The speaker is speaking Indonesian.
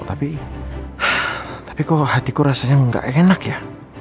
tapi kok hatiku rasanya gak enak ya